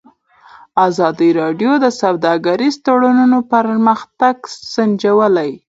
ازادي راډیو د سوداګریز تړونونه پرمختګ سنجولی.